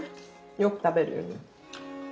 よく食べるよね。